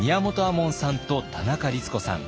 門さんと田中律子さん。